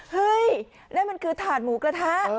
เฮ้ยนั่นมันคือถาดหมูกระทะ